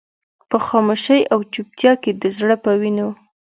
په خاموشۍ او چوپتيا کې د زړه په وينو.